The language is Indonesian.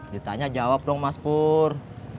ditanya jawab dong mas pur